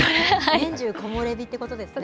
年中、木漏れ日ということですね。